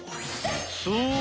そう！